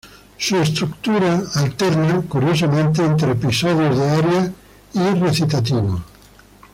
Su estructura alterna curiosamente entre episodios de aria y recitativo.